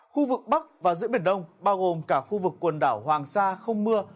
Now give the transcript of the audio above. khu vực bắc và giữa biển đông bao gồm cả khu vực quần đảo hoàng sa không mưa